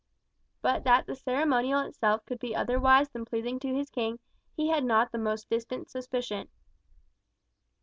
But that the ceremonial itself could be otherwise than pleasing to his King, he had not the most distant suspicion.